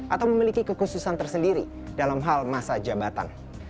atau memiliki kekhususan tersendiri dalam hal masa jabatan